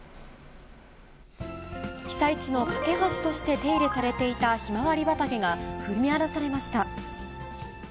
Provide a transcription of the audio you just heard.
被災地の懸け橋として手入れされていたヒマワリ畑が踏み荒らされました。